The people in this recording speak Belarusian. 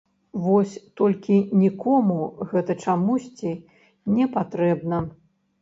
Вось толькі нікому гэта чамусьці не патрэбна.